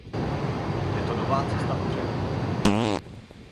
Je to nová cesta vpřed!